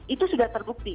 itu sudah terbukti